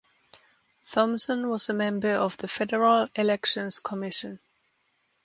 Thomson was a member of the Federal Elections Commission.